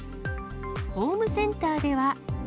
ホームセンターでは。